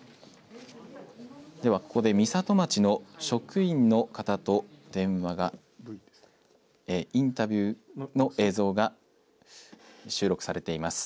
では、ここで美里町の職員の方とインタビューの映像が収録されています。